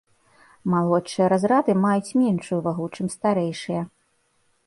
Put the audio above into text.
Малодшыя разрады маюць меншую вагу, чым старэйшыя.